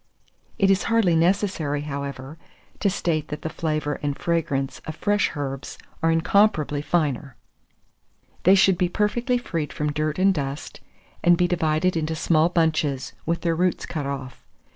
It is hardly necessary, however, to state that the flavour and fragrance of fresh herbs are incomparably finer.) They should be perfectly freed from dirt and dust, and be divided into small bunches, with their roots cut off.